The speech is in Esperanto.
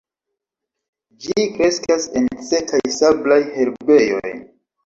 Ĝi kreskas en sekaj sablaj herbejoj.